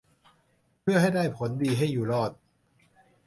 เพื่อให้ได้ผลดีให้อยู่รอด